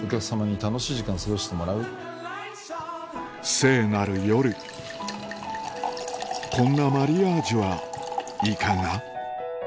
聖なる夜こんなマリアージュはいかが？